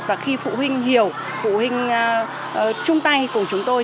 và khi phụ huynh hiểu phụ huynh chung tay cùng chúng tôi